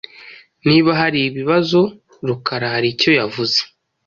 Niba haribibazo, Rukara hari icyo yavuze.